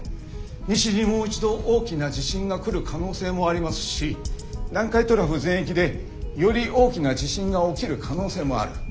西にもう一度大きな地震が来る可能性もありますし南海トラフ全域でより大きな地震が起きる可能性もある。